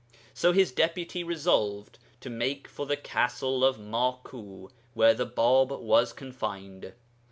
So his Deputy resolved to make for the castle of Maku, where the Bāb was confined.